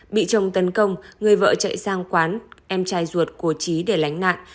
bị chồng tấn công người vợ chạy sang quán em trai ruột của trí để lánh nạn